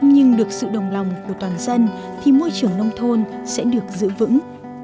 nhưng được sự đồng lòng của toàn dân thì môi trường nông thôn sẽ được giữ vững